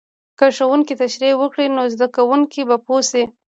که ښوونکی تشریح وکړي، نو زده کوونکی به پوه شي.